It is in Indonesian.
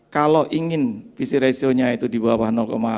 kalau ingin visi ratio nya itu di bawah tujuh